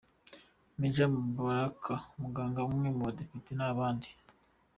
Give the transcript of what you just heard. Major Mubaraka Muganga, bamwe mu badepite, n’abandi.